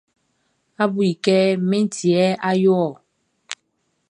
A bu i kɛ min ti yɛ a yo ɔ.